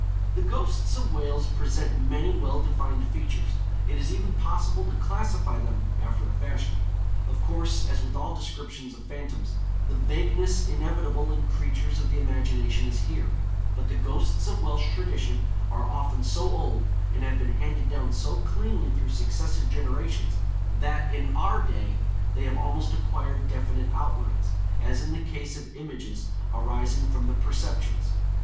The ghosts of Wales present many well defined features. It is even possible to classify them, after a fashion. Of course, as with all descriptions of phantoms, the vagueness inevitable in creatures of the imagination is here; but the ghosts of Welsh tradition are often so old, and have been handed down so cleanly through successive generations, that in our day they have almost acquired definite outlines, as in the case of images arising from the perceptions.